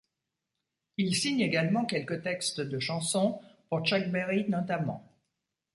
Il signe également quelques textes de chansons pour Chuck Berry notamment.